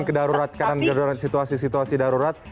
kedaruratkan situasi situasi darurat